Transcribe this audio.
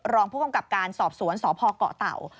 รองผู้กำกับการสอบสวนสพเกาะเต่า